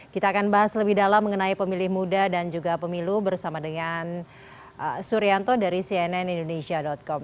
kita akan bahas lebih dalam mengenai pemilih muda dan juga pemilu bersama dengan suryanto dari cnn indonesia com